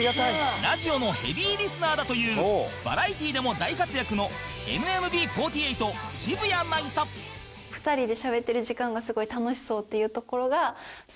ラジオのヘビーリスナーだというバラエティーでも大活躍の ＮＭＢ４８ 渋谷凪咲なんか２人の。